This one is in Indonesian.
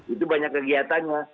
itu banyak kegiatan ya